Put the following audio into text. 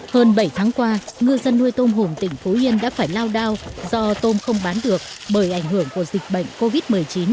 hơn bảy tháng qua ngư dân nuôi tôm hùm tỉnh phú yên đã phải lao đao do tôm không bán được bởi ảnh hưởng của dịch bệnh covid một mươi chín